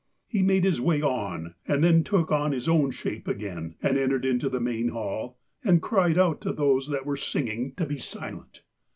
He made his way on, and then took on his own shape again and entered into the main hall, and cried out to those that were singing to be silent.